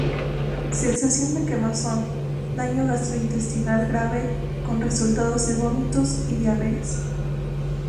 Sensación de quemazón, daño gastrointestinal grave con resultado de vómitos y diarrea.